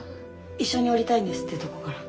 一緒におりたいんですってとこから。